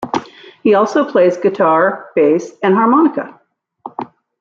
He also plays guitar, bass and harmonica.